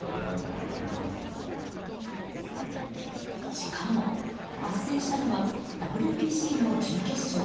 しかも、発生したのはＷＢＣの準決勝。